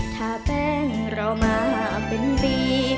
ถ้าแป้งเรามาเป็นปี